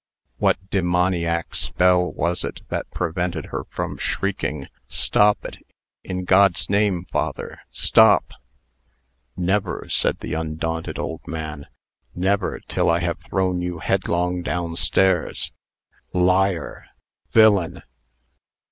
What demoniac spell was it that prevented her from shrieking "Stop it. In God's name, father, stop?" "Never!" said the undaunted old man. "Never, till I have thrown you headlong down stairs! Liar! Villain!"